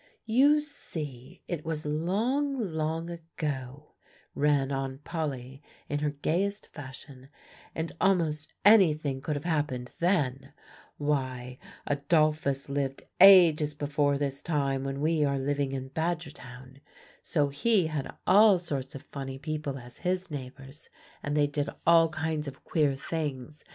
"You see, it was long, long ago," ran on Polly in her gayest fashion; "and almost anything could have happened then why, Adolphus lived ages before this time when we are living in Badgertown; so he had all sorts of funny people as his neighbors, and they did all kinds of queer things.